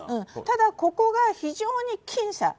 ただ、ここが非常に僅差。